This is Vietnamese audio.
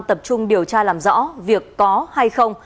tập trung điều tra làm rõ việc có hay không